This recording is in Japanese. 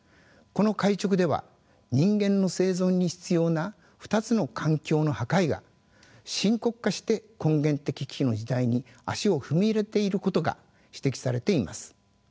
この回勅では人間の生存に必要な２つの環境の破壊が深刻化して根源的危機の時代に足を踏み入れていることが指摘されています。